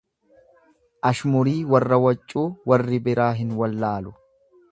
Ashmurii warra waccuu warri biraa hin wallaalu.